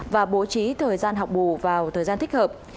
và bố trí thời gian học bù vào thời gian thích hợp